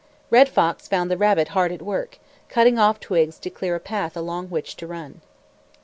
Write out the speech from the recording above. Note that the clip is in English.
Red Fox found the rabbit hard at work, cutting off twigs to clear a path along which to run.